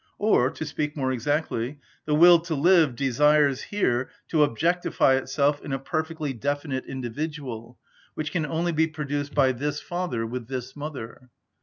Or, to speak more exactly, the will to live desires here to objectify itself in a perfectly definite individual, which can only be produced by this father with this mother.